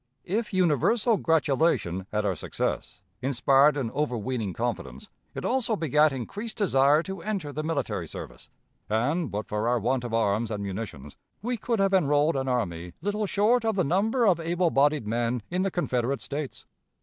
If universal gratulation at our success inspired an overweening confidence, it also begat increased desire to enter the military service; and, but for our want of arms and munitions, we could have enrolled an army little short of the number of able bodied men in the Confederate States.